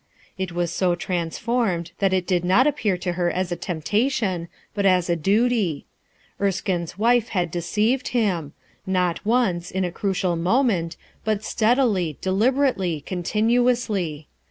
It was so transformed that it did not appear to her as a temptation, but as a duty, Erskine's wife had deceived him; not once, in a crucial moment, but steadily, deliberately, continuously.